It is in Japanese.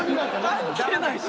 関係ないし。